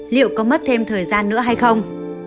liệu có mất thêm thời gian nữa hay không